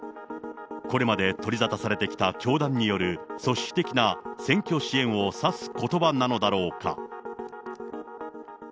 これまで取りざたされてきた教団による組織的な選挙支援を指すことばなのだろうか。